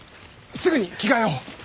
すぐに着替えを！